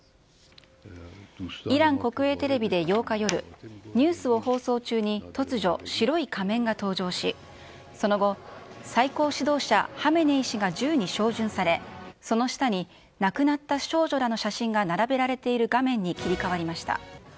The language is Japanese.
イラン国営テレビで８日夜、ニュースを放送中に突如、白い仮面が登場し、その後、最高指導者、ハメネイ師が銃に照準され、その下に亡くなった少女らの写真が並べられている画面に切り替わりました。